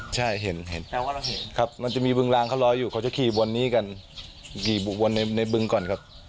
จุดที่วัยรุ่นเขาชอบไปนั่งกัน